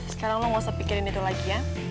sekarang lo gak usah pikirin itu lagi ya